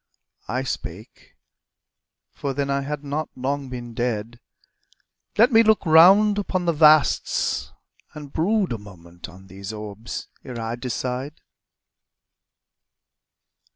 I spake for then I had not long been dead "Let me look round upon the vasts, and brood A moment on these orbs ere I decide